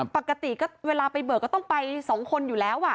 ปกติก็เวลาไปเบิกก็ต้องไป๒คนอยู่แล้ว